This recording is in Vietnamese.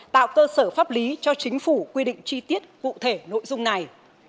tạo cơ sở pháp lý cho chính phủ quy định chi tiết cụ thể nội dung này